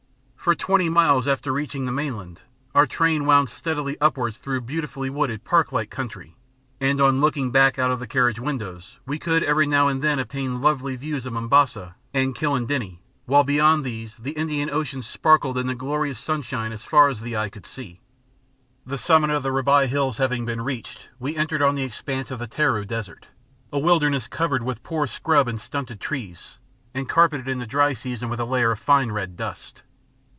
For twenty miles after reaching the mainland, our train wound steadily upwards through beautifully wooded, park like country, and on looking back out of the carriage windows we could every now and again obtain lovely views of Mombasa and Kilindini, while beyond these the Indian Ocean sparkled in the glorious sunshine as far as the eye could see. The summit of the Rabai Hills having been reached, we entered on the expanse of the Taru Desert, a wilderness covered with poor scrub and stunted trees, and carpeted in the dry season with a layer of fine red dust.